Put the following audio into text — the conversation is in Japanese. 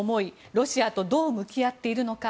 ロシアとどう向き合っていくのか。